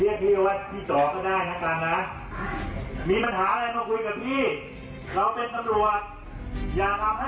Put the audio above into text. เรียกเรียกเรียกพี่ว่าพี่จอดก็ได้นะครับนะ